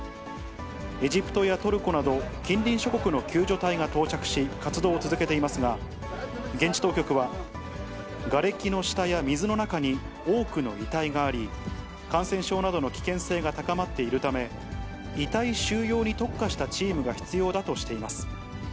エジプトやトルコなど、近隣諸国の救助隊が到着し、活動を続けていますが、現地当局は、がれきの下や水の中に多くの遺体があり、感染症などの危険性が高まっているため、遺体収容に特化したチームが必要だとしています。